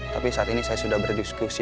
tapi saat ini saya sudah berdiskusi